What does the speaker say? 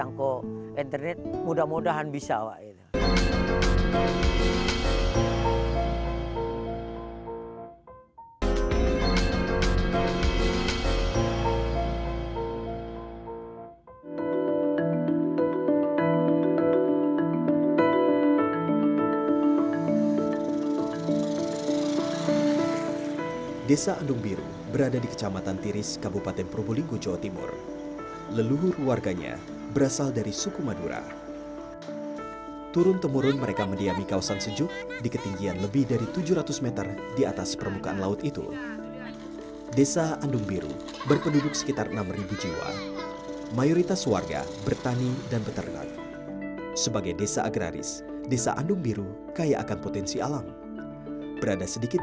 nggak dijangkau internet mudah mudahan bisa pak